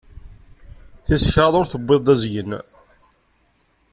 Tis kraḍt ur tuwiḍ d azgen.